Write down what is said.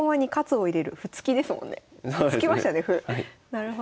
なるほど。